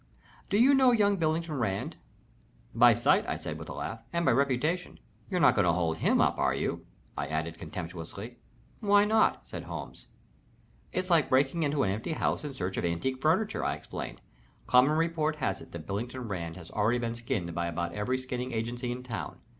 Do you know young Billington Rand?" "By sight," said I, with a laugh. "And by reputation. You're not going to hold him up, are you?" I added, contemptuously. "Why not?" said Holmes. "It's like breaking into an empty house in search of antique furniture," I explained. "Common report has it that Billington Rand has already been skinned by about every skinning agency in town.